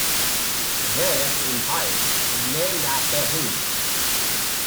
The in Paris is named after him.